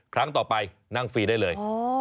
ครั้งต่อไปนั่งฟรีได้เลย